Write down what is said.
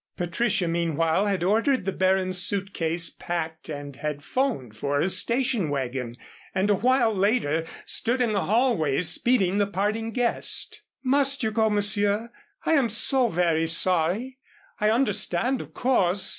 Patricia meanwhile had ordered the Baron's suitcase packed and had 'phoned for a station wagon and a while later stood in the hallway speeding the parting guest. "Must you go, Monsieur? I am so very sorry. I understand, of course.